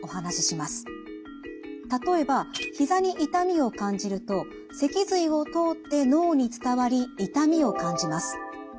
例えばひざに痛みを感じると脊髄を通って脳に伝わり痛みを感じます。